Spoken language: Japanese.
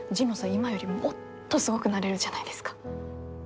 今よりもっとすごくなれるじゃないですか。